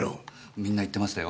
みんな言ってましたよ。